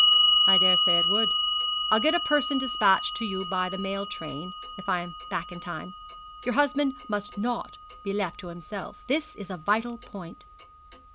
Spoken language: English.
'I dare say it would. I'll get a person despatched to you by the mail train, if I am back in time. Your husband must not be left to himself. That is a vital point.